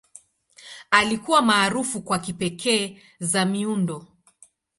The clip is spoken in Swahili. Alikuwa maarufu kwa kipekee za miundo.